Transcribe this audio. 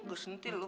nggak sentih lo